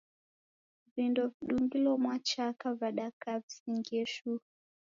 Vindo vidungilo mwachaka vadakaa visingie shuu.